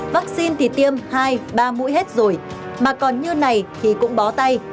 vaccine thì tiêm hai ba mũi hết rồi mà còn như này thì cũng bó tay